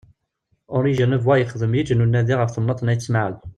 Henri Genevois yexdem yiǧ n unadi ɣef temnaḍt n Ayt Smaɛel.